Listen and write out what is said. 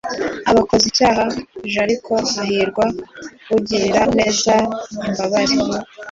aba akoze icyaha j ariko hahirwa ugirira neza imbabare